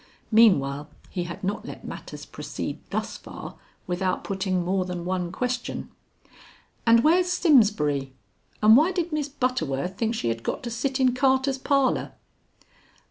Meanwhile he had not let matters proceed thus far without putting more than one question. "And where's Simsbury? And why did Miss Butterworth think she had got to sit in Carter's parlor?"